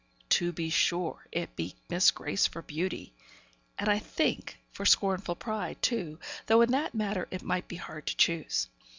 To be sure, it beat Miss Grace for beauty; and, I think, for scornful pride, too, though in that matter it might be hard to choose.